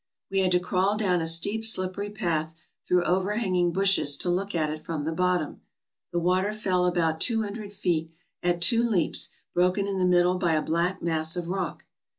We had to crawl down a steep slippery path through overhanging bushes to look at it from the bottom. The water fell about two hundred feet, at two leaps, broken in the middle by a black mass of rock.